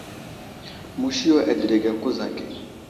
Musi yo adəɗege a kuza age.